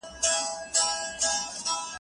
زهر.